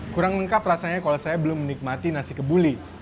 kurang lengkap rasanya kalau saya belum menikmati nasi kebuli